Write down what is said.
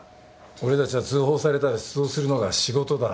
俺たちは通報されたら出動するのが仕事だ。